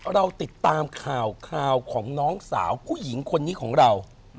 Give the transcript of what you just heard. เราติดตามข่าวของน้องสาวผู้หญิงคนนี้ของเรา